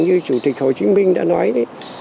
như chủ tịch hồ chí minh đã nói đấy